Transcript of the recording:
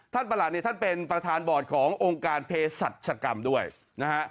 ท่านประหลัดเนี่ยท่านเป็นประธานบอร์ดขององค์การเพศัตริย์ศัตริย์กรรมด้วยนะฮะ